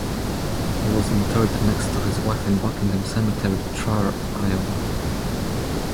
He was interred next to his wife in Buckingham Cemetery, Traer, Iowa.